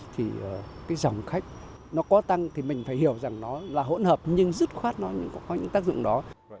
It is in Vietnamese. thì cái dòng khách nó có tăng thì mình phải hiểu rằng nó là hỗn hợp nhưng dứt khoát nó có những tác dụng đó